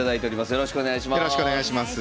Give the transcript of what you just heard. よろしくお願いします。